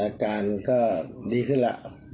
อาการก็ดีขึ้นแล้ว